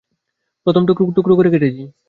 প্রথমে টুকরো টুকরো করে কেটেছি।